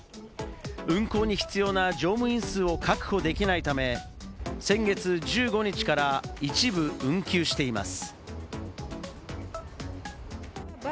運行に必要な乗務員数を確保できないため、先月１５日から一部、運休しています。